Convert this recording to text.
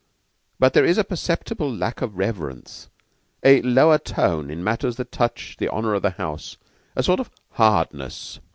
But there is a perceptible lack of reverence a lower tone in matters that touch the honor of the house, a sort of hardness."